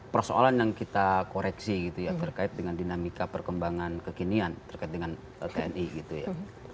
persoalan yang kita koreksi gitu ya terkait dengan dinamika perkembangan kekinian terkait dengan tni gitu ya